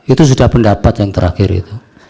itu sudah pendapat yang terakhir itu